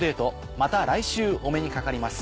また来週お目にかかります。